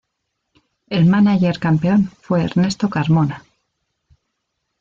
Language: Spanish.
El mánager campeón fue Ernesto Carmona.